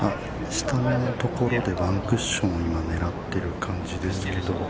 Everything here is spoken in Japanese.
◆下のところでワンクッション、狙っている感じですけど。